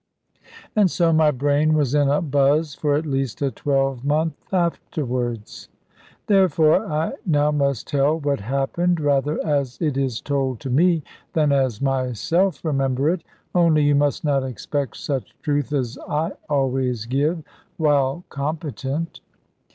And so my brain was in a buzz for at least a twelvemonth afterwards. Therefore I now must tell what happened, rather as it is told to me, than as myself remember it. Only you must not expect such truth, as I always give, while competent.